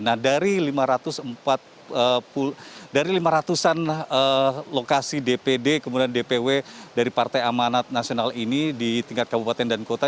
nah dari lima ratus an lokasi dpd kemudian dpw dari partai amanat nasional ini di tingkat kabupaten dan kota